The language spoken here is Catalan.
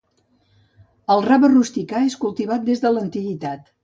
El rave rusticà es cultivat des de l'antiguitat.